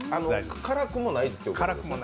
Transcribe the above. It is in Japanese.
辛くもないということですね